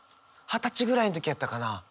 二十歳ぐらいの時やったかな？